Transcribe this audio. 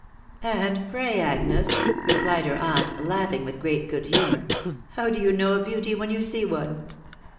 " And pray, Agnes," replied her aunt, laughing with great good humour, "how do you know a beauty when you see one